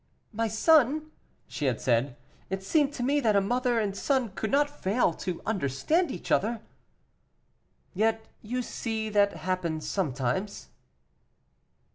"My son," she had said, "it seemed to me that a mother and son could not fail to understand each other." "Yet you see that happens sometimes."